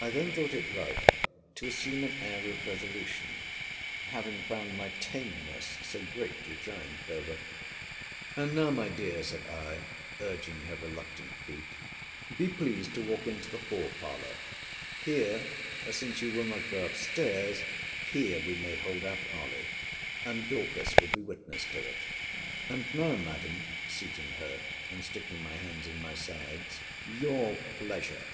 I then thought it right to assume an air of resolution, having found my tameness so greatly triumphed over. And now, my dear, said I, (urging her reluctant feet,) be pleased to walk into the fore parlour. Here, since you will not go up stairs, here we may hold our parley; and Dorcas will be witness to it. And now, Madam, seating her, and sticking my hands in my sides, your pleasure!